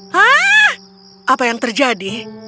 hah apa yang terjadi